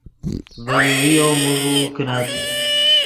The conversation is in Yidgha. ڤے یوویو موݱوؤ کینت